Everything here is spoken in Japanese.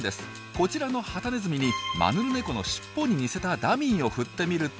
こちらのハタネズミにマヌルネコのしっぽに似せたダミーを振ってみると。